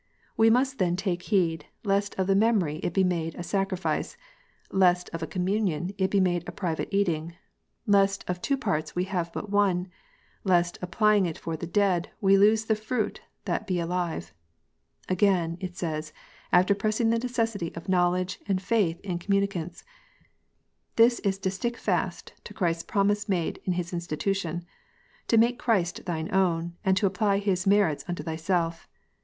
We ^must then take heed, lest of the memory it be made a sacrifice, lest of a communion it be made a private eating ; lest of two parts we have but one ; lest, applying it for the dead, we lose the fruit that be alive." Again, it says, after pressing the necessity of knowledge and faith in communicants :" This is to stick fast to Christ s promise made in His institution : to make Christ thine own, and to apply His merits unto thyself.